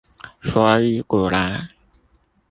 所以古來